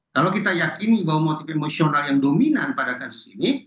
kalau kita yakini bahwa motif emosional yang dominan pada kasus ini